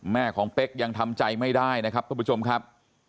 แม่ของเป๊กยังทำใจไม่ได้นะครับทุกผู้ชมครับ